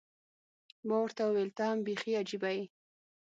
ما ورته وویل، ته هم بیخي عجيبه یې.